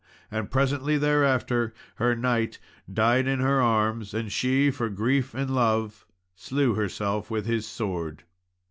And presently thereafter her knight died in her arms; and she, for grief and love slew herself with his sword.